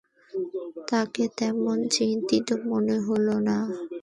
তাঁকে তেমন চিন্তিত মনে হল না।